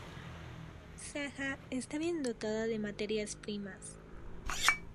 Sajá está bien dotada de materias primas.